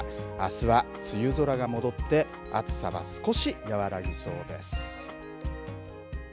あすは、梅雨空が戻って暑さが少し和らぎそうです。